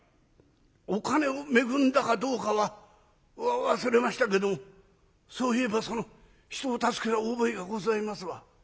お金を恵んだかどうかは忘れましたけどそういえばその人を助けた覚えがございますわ」。